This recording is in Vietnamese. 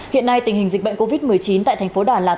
hiện nay tình hình dịch bệnh covid một mươi chín tại tp đà lạt